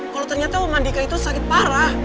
kalau ternyata mandika itu sakit parah